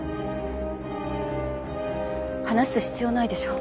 話す必要ないでしょう。